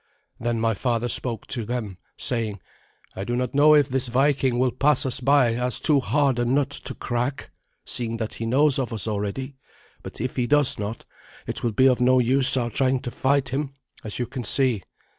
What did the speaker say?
Then my father spoke to them, saying, "I do not know if this Viking will pass us by as too hard a nut to crack, seeing that he knows of us already; but if he does not, it will be of no use our trying to fight him, as you can see.